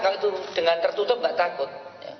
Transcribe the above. kalau itu dengan tertutup nggak takut